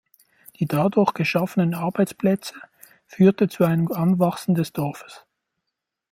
Die dadurch geschaffenen Arbeitsplätze führte zu einem Anwachsen des Dorfes.